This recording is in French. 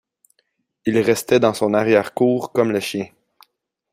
Il restait dans son arrière-cour, comme le chien.